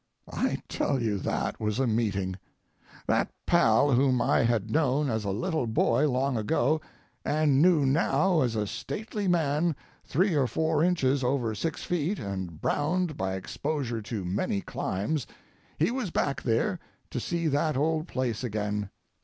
I tell you, that was a meeting! That pal whom I had known as a little boy long ago, and knew now as a stately man three or four inches over six feet and browned by exposure to many climes, he was back there to see that old place again.